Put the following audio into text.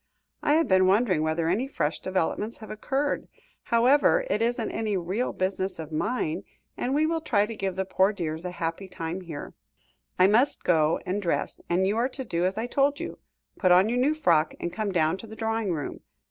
I have been wondering whether any fresh developments have occurred. However, it isn't any real business of mine, and we will try to give the poor dears a happy time here. I must go and dress, and you are to do as I told you; put on your new frock, and come down to the drawing room.